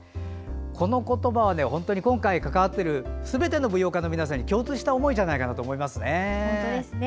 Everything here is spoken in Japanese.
この言葉は今回関わっているすべての舞踊家の皆さんに共通した思いだと思いますね。